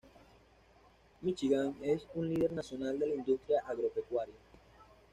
Míchigan es un líder nacional de la industria agropecuaria.